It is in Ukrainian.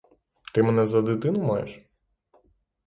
Ти мене за дитину маєш?